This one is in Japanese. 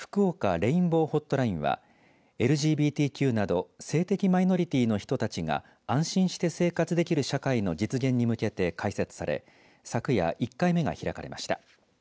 レインボーホットラインはＬＧＢＴＱなど性的マイノリティーの人たちが安心して生活できる社会の実現に向けて開設され昨夜１回目が開かれました。